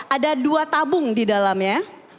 ada dua tabung di dalamnya